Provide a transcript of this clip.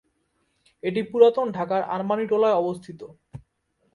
এটি পুরাতন ঢাকার আরমানীটোলায় অবস্থিত।